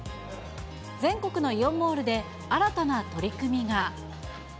全国のイオンモールで新たな取り組みが。